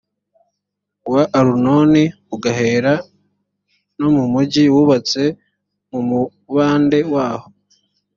wa arunoni, ugahera no ku mugi wubatse mu mubande waho